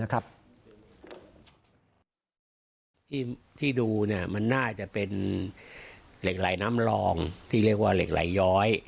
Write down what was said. ที่ดูมันน่าจะเป็นเหล็กไหลน้ำรองที่เรียกว่าเหล็กไหลย้อย